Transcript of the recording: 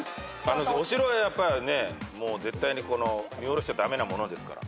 お城はやっぱねもう絶対に見下ろしちゃ駄目なものですから。